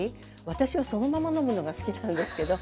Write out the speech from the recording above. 私はそのまま飲むのが好きなんですけど。